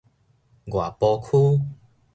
外埔區